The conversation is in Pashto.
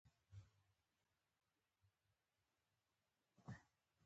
لومړی درس چې الله سبحانه وتعالی له لوري آدم علیه السلام ته وښودل شو